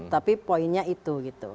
tapi poinnya itu gitu